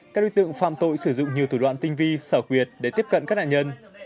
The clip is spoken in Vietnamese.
các đối tượng phạm tội sử dụng nhiều thủ đoạn tinh vi xảo quyệt để tiếp cận các nạn nhân